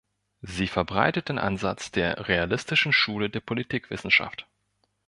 Sie verbreitet den Ansatz der realistischen Schule der Politikwissenschaft.